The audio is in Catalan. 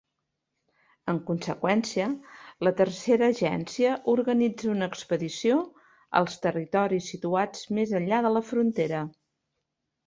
En conseqüència, la Tercera Agència organitza una expedició als territoris situats més enllà de la frontera.